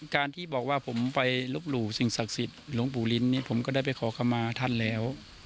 การที่บอกว่าผมไปลบหลู่สิ่งศักดิ์สิทธิ์หลวงปู่ลิ้นนี่ผมก็ได้ไปขอคำมาท่านแล้ว